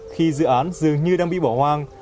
khi dự án dường như đang bị bỏ hoang